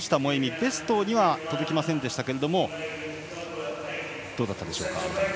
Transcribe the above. ベストには届きませんでしたがどうでしたか。